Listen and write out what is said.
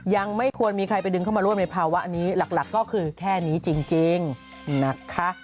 ยังไม่ควรมีใครไปดึงเข้ามาร่วมในภาวะนี้หลักก็คือแค่นี้จริงนะคะ